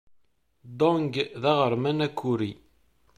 Dong d aɣerman akuri.